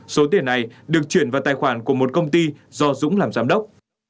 số tiền này được chuyển vào tài khoản của một công ty do dũng làm giám đốc